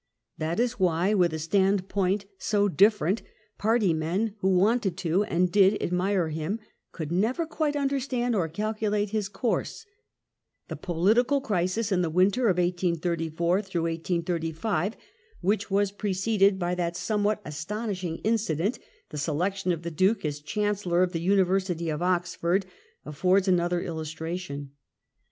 That is why, with a standpoint so different, party men, who wanted to and did admire him, could never quite understand or calculate his course. The political crisis in the winter of 1834 35 — which was preceded by that somewhat astonishing incident, the selection of the Duke as Chancellor of the University of Oxford — affords another illustration.